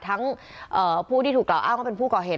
ทั้งเอ่อผู้ที่ถูกก่ออ้าวเป็นผู้ก่อเหตุ